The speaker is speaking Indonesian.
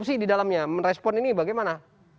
sih di dalamnya menrespon ini bagaimana